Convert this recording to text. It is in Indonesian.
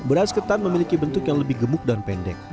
beras ketan memiliki bentuk yang lebih gemuk dan pendek